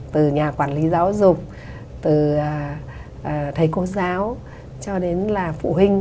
từ nhà quản lý giáo dục từ thầy cô giáo cho đến là phụ huynh